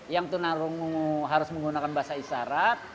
yang tunarungu harus menggunakan bahasa isyarat